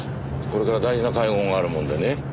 これから大事な会合があるもんでね。